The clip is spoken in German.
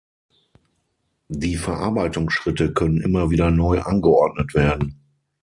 Die Verarbeitungsschritte können immer wieder neu angeordnet werden.